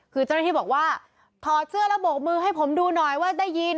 คือเจ้าหน้าที่บอกว่าถอดเสื้อแล้วโบกมือให้ผมดูหน่อยว่าได้ยิน